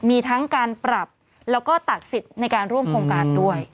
มีทั้งการปรับแล้วก็ตัดสิทธิ์ในการร่วมโครงการด้วย